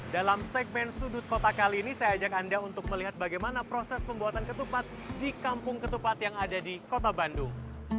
dalam segmen sudut kota kali ini saya ajak anda untuk melihat bagaimana proses pembuatan ketupat di kampung ketupat yang ada di kota bandung